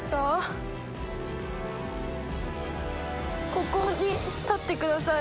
ここに立ってください。